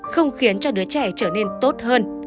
không khiến cho đứa trẻ trở nên tốt hơn